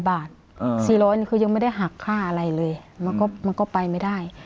บาท๔๐๐นี่คือยังไม่ได้หักค่าอะไรเลยมันก็ไปไม่ได้